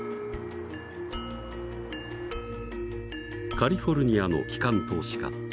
カリフォルニアの機関投資家。